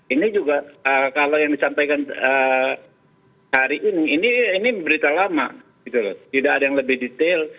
ini juga kalau yang disampaikan hari ini ini berita lama gitu loh tidak ada yang lebih detail